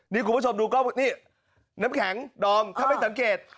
นี่คุณผู้ชมดูก็นี่น้ำแข็งดอมถ้าไม่สังเกต